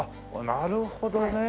なるほどね！